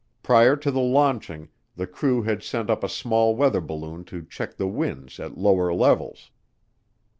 Prior to the launching, the crew had sent up a small weather balloon to check the winds at lower levels.